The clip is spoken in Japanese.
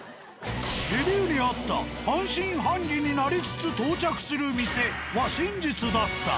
レビューにあった「半信半疑になりつつ到着する店」は真実だった。